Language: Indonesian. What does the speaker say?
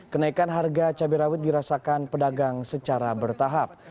kenaikan harga cabai rawit dirasakan pedagang secara bertahap